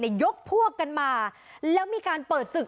ยกพวกกันมาแล้วมีการเปิดศึก